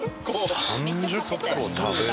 ３０個食べる？